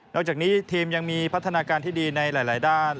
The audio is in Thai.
จากนี้ทีมยังมีพัฒนาการที่ดีในหลายด้าน